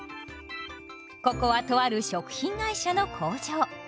ここはとある食品会社の工場。